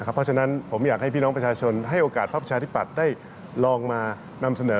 เพราะฉะนั้นผมอยากให้พี่น้องประชาชนให้โอกาสพักประชาธิปัตย์ได้ลองมานำเสนอ